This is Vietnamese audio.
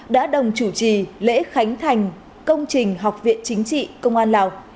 đã đồng chủ trì lễ khánh thành công trình học viện chính trị công an lào